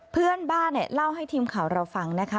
เพื่อนบ้านเนี่ยเล่าให้ทีมข่าวเราฟังนะคะ